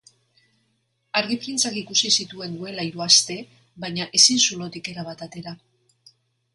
Argi printzak ikusi zituen duela hiru aste baina ezin zulotik erabat atera.